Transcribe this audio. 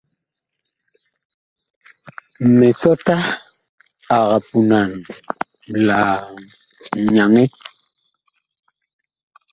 Misɔta ag punan la nyaŋɛ.